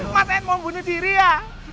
mas said mau bunuh diri ya